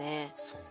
そう。